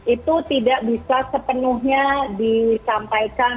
itu tidak bisa sepenuhnya disampaikan